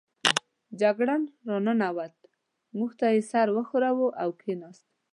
جګړن را ننوت، موږ ته یې سر و ښوراوه او کېناست.